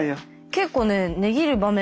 結構ね値切る場面